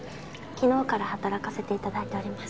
昨日から働かせて頂いております。